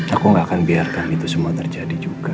aku gak akan biarkan itu semua terjadi juga